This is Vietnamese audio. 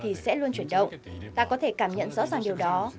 thì sẽ luôn chuyển động ta có thể cảm nhận rõ ràng điều đó